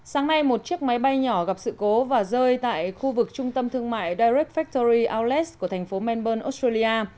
sáng nay một chiếc máy bay nhỏ gặp sự cố và rơi tại khu vực trung tâm thương mại direct factory outlets của thành phố melbourne australia